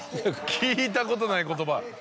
聞いたことない言葉。